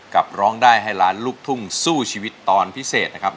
ร้องได้ให้ล้านลูกทุ่งสู้ชีวิตตอนพิเศษนะครับ